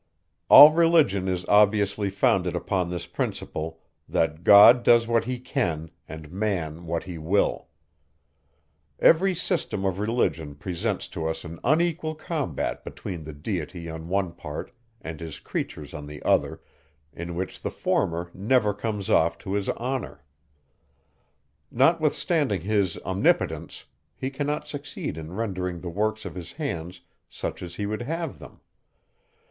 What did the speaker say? All religion is obviously founded upon this principle, that God does what he can, and man what he will. Every system of religion presents to us an unequal combat between the Deity on one part, and his creatures on the other, in which the former never comes off to his honour. Notwithstanding his omnipotence, he cannot succeed in rendering the works of his hands such as he would have them.